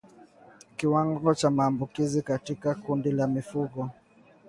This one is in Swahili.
Kiwango cha maambukizi katika kundi la mifugo